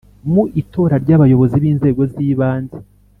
Mu itora ry abayobozi b inzego z ibanze